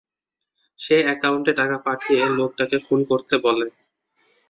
সে অ্যাকাউন্টে টাকা পাঠিয়ে লোকটাকে খুন করতে বলে।